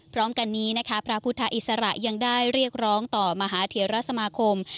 พร้อมกันนี้นะคะพระพุทธอิสระยังได้เรียกร้องต่อมหาเทราสมาคม